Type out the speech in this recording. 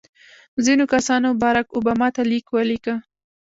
ځینو کسانو بارک اوباما ته لیک ولیکه.